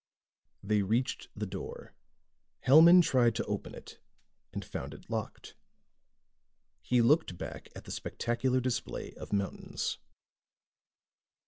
They reached the door. Hellman tried to open it and found it locked. He looked back at the spectacular display of mountains.